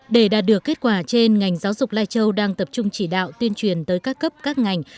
để đạt được kết quả trên ngành giáo dục lai châu đang tập trung chỉ đạo tuyên truyền tới các cấp các ngành